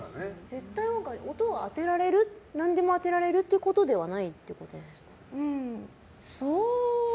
絶対音感って音を何でも当てられるってことではないってことなんですか？